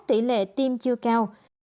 tỷ lệ tiêm chưa cao